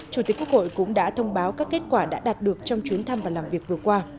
chủ tịch quốc hội cũng đã thông báo các kết quả đã đạt được trong chuyến thăm và làm việc vừa qua